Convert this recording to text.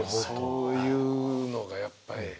そういうのがやっぱり。